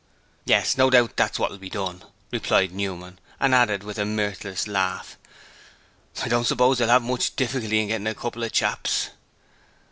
'Yes. No doubt that's what will be done,' replied Newman, and added with a mirthless laugh: 'I don't suppose they'll have much difficulty in getting a couple of chaps.'